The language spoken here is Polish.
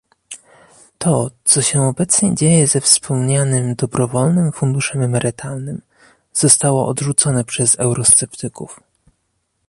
To, co się obecnie dzieje ze wspomnianym dobrowolnym funduszem emerytalnym, zostało odrzucone przez eurosceptyków